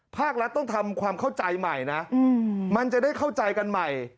ภาครัฐต้องทำความเข้าใจใหม่นะมันจะได้เข้าใจกันใหม่